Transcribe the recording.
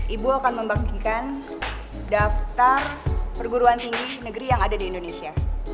ibu akan membagikan daftar perguruan tinggi negeri yang ada di indonesia